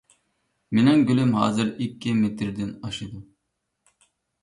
مېنىڭ گۈلۈم ھازىر ئىككى مېتىردىن ئاشىدۇ.